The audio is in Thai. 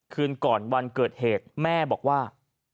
คืนก่อนวันเกิดเหตุแม่บอกว่า